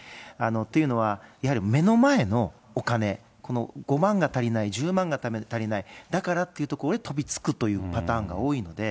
というのは、やはり目の前のお金、この５万が足りない、１０万が足りない、だからというところで飛びつくというパターンが多いので。